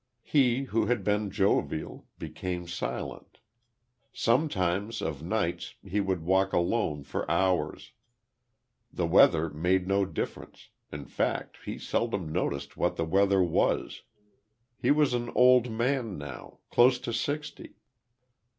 He, who had been jovial, became silent. Some times, of nights, he would walk alone for hours. The weather made no difference in fact, he seldom noticed what the weather was. He was an old man now, close to sixty....